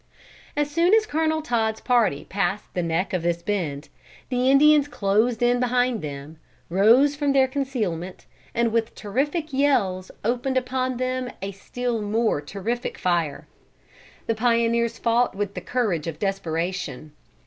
As soon as Colonel Todd's party passed the neck of this bend, the Indians closed in behind them, rose from their concealment, and with terrific yells opened upon them a still more terrific fire. The pioneers fought with the courage of desperation.